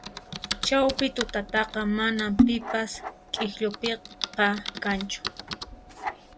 Chawpi tutataqa manan pipas k'ikllupiqa kanchu